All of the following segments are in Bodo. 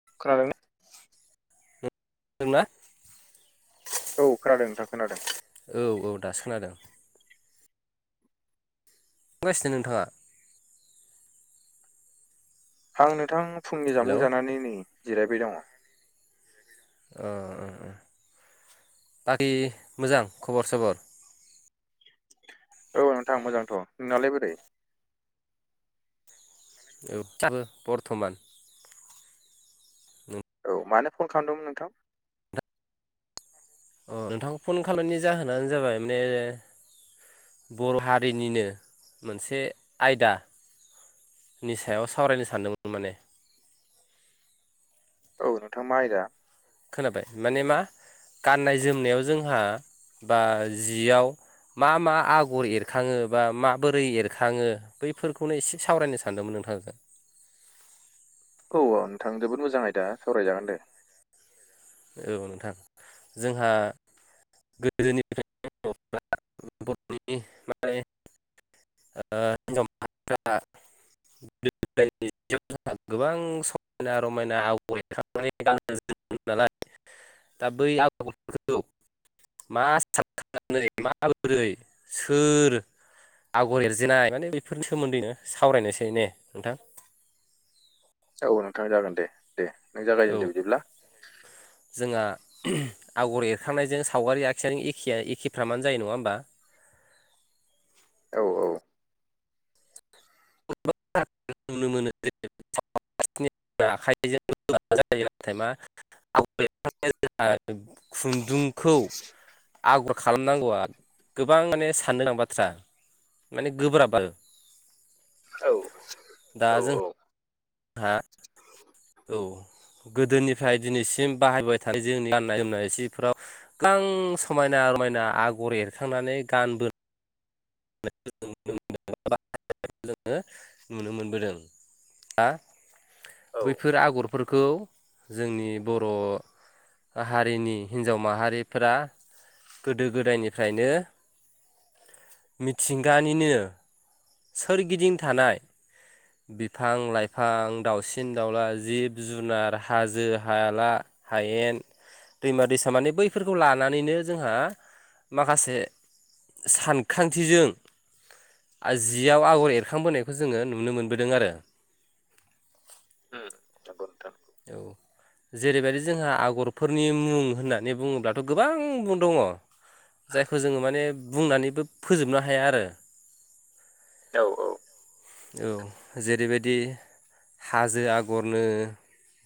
[unintelligible] दोंना औ खोनादों नोंथां खोनादों औ औ दा खोनादों [unintelligible] नोंथाङा आं नोंथां फुंनि हेलौ जामुं जानानै नै जिरायबाय दङ अ बाखि मोजां खबर सबर औ नोंथां मोजांथ' नोंनालाय बोरै औ [unintelligible] बरथमान औ मानो फन खालामदोंमोन नोंथां अ नोंथां फन खालामनायनि जाहोनानो जाबाय माने बर' हारिनिनो मोनसे आयदा नि सायाव सावरायनो सानदोंमोन माने औ नोंथां मा आयदा खोनाबाय माने मा गाननाय जोमनायाव जोंहा बा जियाव मा मा आगर एरखाङो बा माबोरै एरखाङो बैफोरखौनो एसे सावरायनो सानदोंमोन नोंथांजों औ औ नोंथां जोबोद मोजाङै दा सावरायजागोन दे औ नोंथां जोंहा गोदोनि' [unintelligible] [unintelligible] गोबां समायना रमायना [unintelligible] नालाय दा बै [unintelligible] मा [unintelligible] माबोरै सोर आगर एरजेनाय माने बेफोरनि सोमोन्दैनो सावरायनोसै ने नोंथां औ नोंथां जागोन दे दे नों औ जागायजेनदो बिदिब्ला जोंहा [unintelligible] आगर एरखांनायजों सावगारि आखिनायजों एखया एखेफ्रामानो जायो नङा होमबा औ औ [unintelligible] नुनो मोनोजे [unintelligible] आखाइजों [unintelligible] नाथाय मा [unintelligible] खुन्दुंखौ आगर खालामनांगौआ गोबां माने साननो गोनां बाथ्रा माने गोबोराब आरो औ औ औ हा औ गोदोनिफ्राय दिनैसिम बाहायबाय थानाय जोंनि गाननाय जोमनाय सिफोराव गां समायना रमायना आगर एरखांनानै गानबो [unintelligible] [unintelligible] नुनो मोनबोदों आ औ बैफोर आगरफोरखौ जोंनि बर' हारिनि हिन्जाव माहारिफोरा गोदो गोदायनिफ्रायनो मिथिंगानिनो सोरगिदिं थानाय [inaudible] बिफां लाइफां दाउसिन दाउला जिब जुनार हाजो हाला हायेन दैमा दैसा माने बैफोरखौ लानानैनो जोंहा माखासे सानखांथिजों आ जियाव आगर एरखांबोनायखौ जोङो नुनो मोनबोदों आरो उम जागोन थां औ जेरैबायदि जोंहा आगरफोरनि मुं होननानै बुङोब्लाथ' गोबां मुं दङ जायखौ जोङो माने बुंनानैबो फोजोबनो हाया आरो [inaudible] औ औ औ जेरैबायदि हाजो आगरनो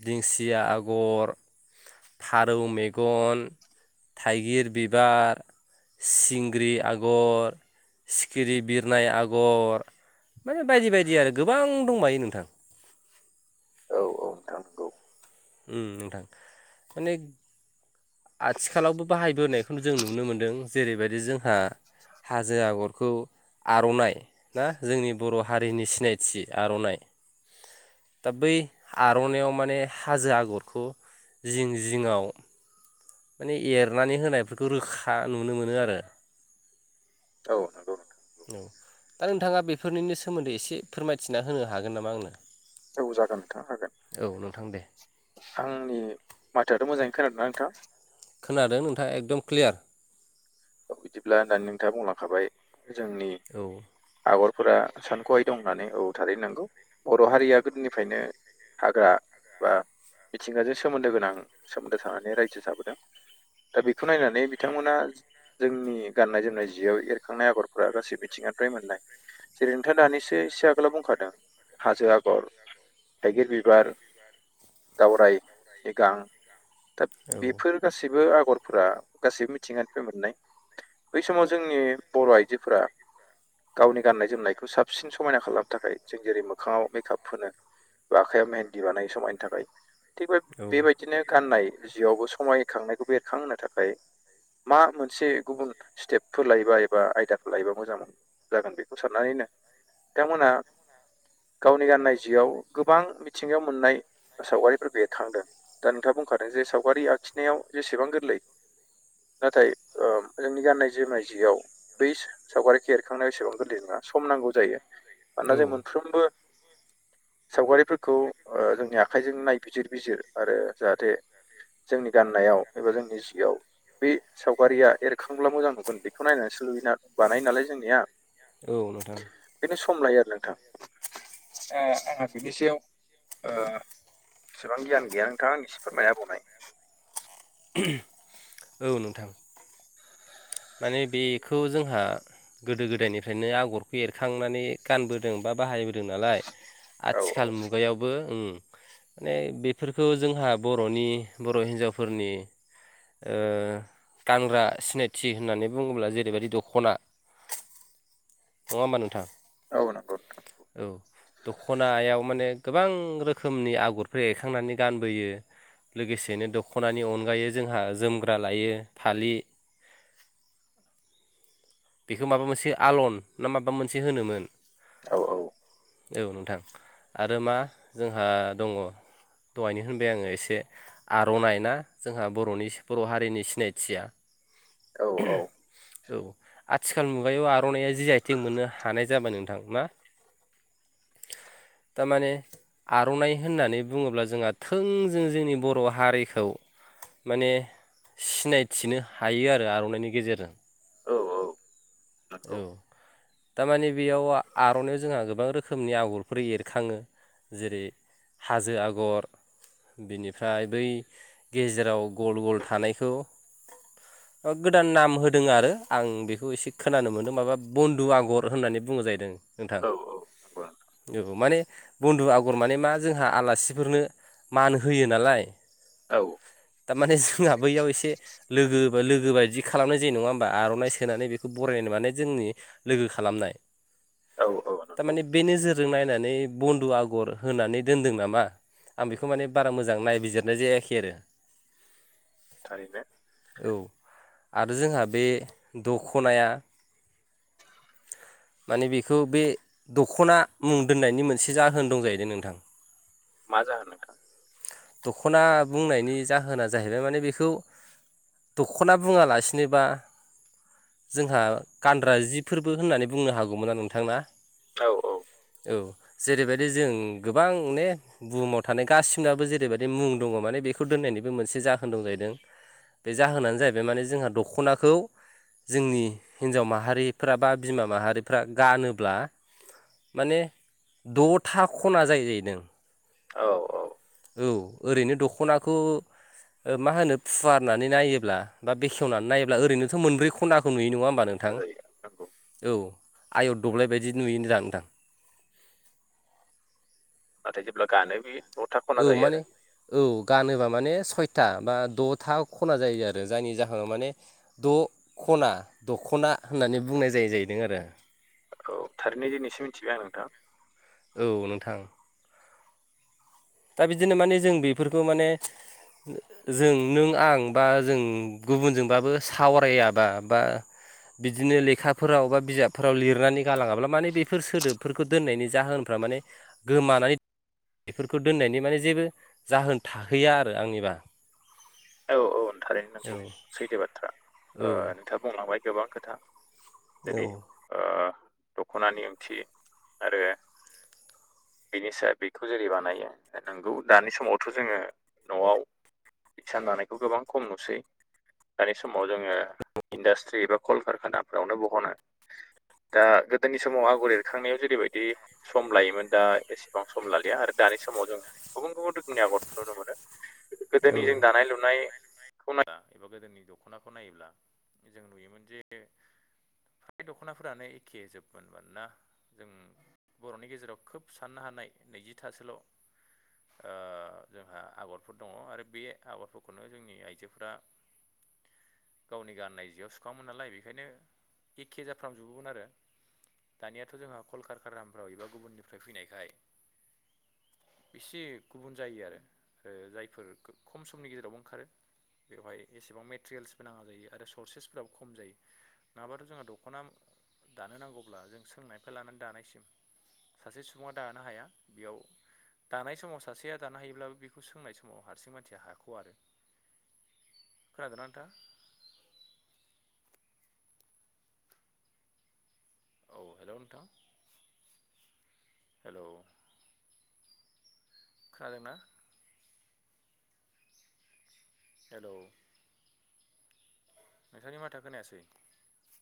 दिंसिया आगर फारौ मेगन थाइगिर बिबार सिंग्रि आगर सिखिरि बिरनाय आगर माने बायदि बायदि आरो गोबां दंबायो नोंथां औ औ नोंथां नंगौ उम नोंथां माने आथिखालावबो बाहायबोनायखौ जों नुनो मोन्दों जेरैबायदि जोंहा हाजो आगरखौ आर'नाइ ना जोंनि बर' हारिनि सिनायथि आर'नाइ दा बै आर'नायइयाव माने हाजो आगरखौ जिं जिङाव माने एरनानै होनायफोरखौ रोखा नुनो मोनो आरो औ नोंथां नंगौ नंगौ। औ दा नोंथाङा बेफोरनिनो सोमोन्दै इसे फोरमायथिना होनो हागोन नामा आंनो जौ जागोन नोंथां हागोन औ नोंथां दे आंनि माथोयाथ' मोजाङै खोनादोंना नोंथां? खोनादों नोंथाङा एकदम क्लियार बिदिब्ला दानि नोंथाङा बुंलांखाबाय जोंनि औ आगरफोरा सानख'हायि दं होननानै औ थारैनांगौ बर' हारिया गोदोनिफ्रायनो हाग्रा बा मिथिंगाजों सोमोन्दो गोनां सोमोन्दो थानानै रायजो जाबोदों दा बेखौ नायनानै बिथांमोना जोंनि गाननाय जोमनाय जियाव एरखांनाय आगरफोरा गासै मिथिंगानिफ्राय मोननाय जेरै नोंथाङा दानिसो एसे आगोलाव बुंखादों हाजो आगर थाइगिर बिबार दावरायनि गां दा औ बेफोर गासैबो आगरफोरा गासैबो मिथिंगानिफ्राय मोननाय बै समाव जोंनि बर' आइजोफोरा गावनि गाननाय जोमनायखौ साबसिन समायना खालामनो थाखाय जों जेरै मोखाङाव मेकआप फोनो आखाइयाव मेहेनदि बानायो समायनो थाखाय थिग बे औ बेबायदिनो गाननाय जिआवबो समायखांनायखौ बेरखांहोनो थाखाय मा मोनसे गुबुन स्टेपफोर लायोबा एबा आयदाफोर लायोबा मोजां जागोन बेखौ साननानैनो नोंथां मोना गावनि गाननाय जिआव गोबां मिथिंगायाव मोननाय सावगारिफोर बेरखांदों दा नोंथाङा बुंखादों जे सावगारि आखिनायाव जेसेबां गोरलै नाथाय ओ जोंनि गानाय जोमनाय जिआव बै सावगारिखौ एरखांनायाव एसेबां गोरलै नङा सम नांगौ जायो औ मानोना जों मोनफ्रोमबो सावगारिफोर खौ ओ जोंनि आखाइजों नायबिजिर बिजिर आरो जाहाथे जोंनि गाननायाव एबा जोंनि जिआव बे सावगारिया एर खांब्ला मोजां नुगोन बेखौ नायनानैसोै लुयोना बानायो नालाय जोंनिया औ नोंथां बेखायनो सम लायो आरो नोंथां ओह ओह बिनि सायाव ओ बेसिबां गियान गैया नोंथाङा एसे फोरमायना होबावनाय औ नोंथां माने बेखौ जोंहा गोदो गोदायनिफ्रायनो आगरखौ एरखांनानै गानबोदों बा बाहाय होदों नालाय औ आथिखाल मुगायावबो उम माने बेफोरखौ जोंहा बर'नि बर' हिन्जावफोरनि ओ गानग्रा सिनाय थि होननानै बुङोब्ला जेरैबायदि दख'ना नङा होमबा नोंथां औ नंगौ नोंथां औ दखनायाव माने गोबां रोखोमनि आगरफोर एरखांनानै गानबोयो लोगोसेनो दख'नानि अनगायै जोंहा जोमग्रा लायो फालि बेखौ माबा मोनसे आलन ना माबा मोनसे होनोमोन औ औ औ नोंथां आरो मा जोंहा दङ दहायनो होनबाय आङो एसे आर'नाइना जोंहा बर'नि बर' हारिनि सिनायथिया औ औ आथिखाल मुगायाव आर'नाइया जि आथिं मोननो हानाय जाबाय नोंथां ना तारमाने आर'नाइ होननानै बुङोब्ला जोंहा थोंजों जोंनि बर' हारिखौ माने सिनायथिनो हायो आरो आर'नाइनि गेजेरजों औ औ औ नंगौ थारमानि बेयाव आर'नाइाव जोंहा गोबां रोखोमनि आगरफोर एरखाङो जेरै हाजो आगर बिनिफ्राय बै गेजेराव गल गल थानायखौ गोदान नाम होदों आरो आं बेखौ एसे खोनानो मोनदों माबा बन्दु आगर होननानै बुङो जाहैदों नोंथां औ औ औ माने बन्दु आगर माने मा जोंहा आलासिफोरनो मान होयो नालाय औ थारमाने जोंहा बैयाव एसे लोगो लोगो बायदि खालामनाय जायो नङा होमबा आर'नाइ सोनानै बे बरायनो माने जोंनि लोगो खालामनाय औ औ नंगौ थारमाने बे नोजोरजों नायनानै बन्दु आगर होनानै दोनदों नामा आं बेखौ माने बारा मोजां नायबिजिरनाय जायाखै आरो थारैनो औ आरो जोंहा बे दखनाया माने बेखौ बे दख'ना मुं दोननायनि मोनसे जाहोन दं जाहैदों नोंथां मा जाहोन नोंथां दख'ना बुंनायनि जाहोना जाहैबाय माने बेखौ दख'ना बुङालासिनोबा जोंहा गानद्रा जि फोरबो होननानै बुंनो हागौमोनना नोंथां ना औ औ औ जेरैबायदि जों गोबां ने बुहुमाव थानाय गासिनाबो जे ओरैबादि मुं दङ माने बेखौ दोननायनिबो मोनसे जाहोन दं जाहैदों बे जाहोनानो जाहैबाय माने जोंहा दख'नाखौ जोंनि हिन्जाव माहारिफ्रा बा बिमा माहारिफ्रा गानोब्ला माने द'था खना जायो जायैदों औ औ औ ओरैनो दख'नाखौ मा होनो फुवारनानै नायोब्ला बा बेखेवनानै नायोब्ला ओरैनोथ' मोनब्रै खनाखौ नुयो नङा होमब्ला नों नोंथां जायो नंगौ औ आयत दब्लाय बायदि नुयोनदां नोंथां नाथाय जेब्ला गानो बे द' था औ माने औ गानोबा माने सयथा बा द'था खना जायो आरो जायनि जाहोनाव माने द' ख'ना दख'ना होननानै बुंनाय जायो जाहैदों आरो औ थारैनो दिनैसो मिथिबाय आं नोंथां औ नोंथां दा बिदिनो माने जों बेफोरखौ माने जों नों आं बा जों गुबुनजोंबाबो सावरायाबा बा बिदिनो लेखाफोराव बा बिजाबफोराव लिरनानै गालाङाब्ला माने बेफोर सोदोबफोरखौ दोननायनि जाहोनफ्रा माने गोमानाय खौ दोननायनि माने जेबो जाहोन थाहैया आरो आंनिबा औ औ थारैनो औ नोंगौ सैथो बाथ्रा ओ औ नोंथाङा बुंलांबाय गोबां खोथा औ जेरै ओ दख'नानि ओंथि आरो बिनि सायाव बेखौ जेरै बानायो नंगौ दानि समावथ' जोङो न'आव हिसान दानायखौ गोबां खम नुसै दानि समाव जोङो इन्डास्ट्रि एबा कलकारखाना फ्रावनो बहनो दा गोदोनि समाव आगर एरखांनायाव जेरैबायदि सम लायोमोन दा एसेबां सम लालिया आरो दानि समाव जों गुबुन गुबुन रोखोमनि आगरखौ नुनो मोनो गोदोनि औ जों दानाय लुनाय खौ नाया एबा गोदोनि दख'नाखौ नायोब्ला जों नुयोमोन जे फ्राय दख'नाफोरानो एखे जोबमोन मानोना जों बर'नि गेजेराव खोब साननो हानाय नैजिथासोल' ओ जोंहा आगरफोर दङ आरो बे आगरफोरखौनो जोंनि आइजोफोरा गावनि गाननाय जिआव सुखाङोमोन नालाय बेखायनो एखखे जारफ्राम जुबोमोन आरो दानियाथ' जोंहा कलकारकारहामफ्राव एबा गुबुननिफ्राय फैनायखाय एसे गुबुन जायो आरो जायफोर खम समनि गेजेरावबो ओंखारो बेवहाय एसेबां मेटेरयेल्सबो नाङा जायो आरो सर्सेसफोराबो खम जायो नङाबाथ' जोंहा दख'ना दानो नांगौब्ला जों सोंनायनिफ्राय लानानै दानायसिम सासे सुबुङा दानो हाया बेयाव दानाय समाव सासेया दानो हायोब्लाबो बेखौ सोंनाय समाव हारसिं मानसि [unintelligible] औ हेल' नोंथां हेल' खोनादोंना हेल' नोंथांनि माथो खोनायासै